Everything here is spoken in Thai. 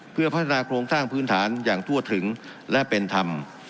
เพื่อพัฒนาโครงสร้างพื้นฐานอย่างทั่วถึงและเป็นธรรม